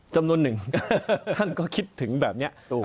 จำนวนหนึ่งท่านก็คิดถึงแบบนี้